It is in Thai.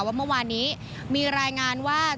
ว่าเมื่อวานนี้มีรายงานว่า